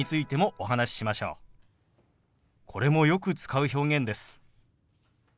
これもよく使う表現です。